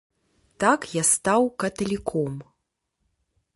Так я стаў каталіком.